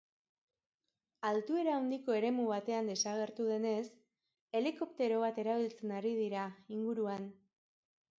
Altuera handiko eremu batean desagertu denez, helikoptero bat erabiltzen ari dira inguruan.